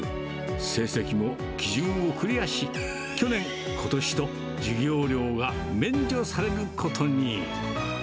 成績も基準をクリアし、去年、ことしと授業料が免除されることに。